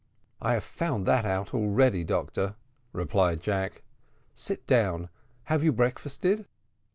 "I have found that out already, doctor," replied Jack: "sit down. Have you breakfasted?"